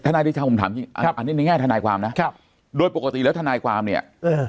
อันนี้ในง่ายธนายความนะโดยปกติแล้วธนายความเนี่ย